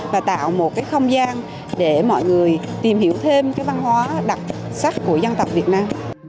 và tạo một cái không gian để mọi người tìm hiểu thêm cái văn hóa đặc sắc của dân tộc việt nam